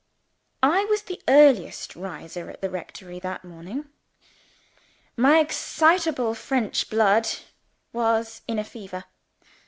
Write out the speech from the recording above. I was the earliest riser at the rectory that morning. My excitable French blood was in a fever.